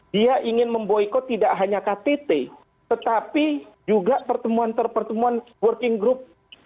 dia ingin memboykot tidak hanya ktt tetapi juga pertemuan pertemuan working group